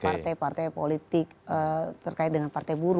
partai partai politik terkait dengan partai buruh